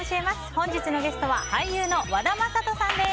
本日のゲストは俳優の和田正人さんです。